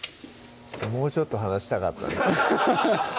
もうちょっと話したかったです